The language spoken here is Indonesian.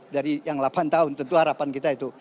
dari yang delapan tahun tentu harapan kita itu